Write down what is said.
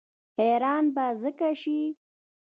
حیران به ځکه شي.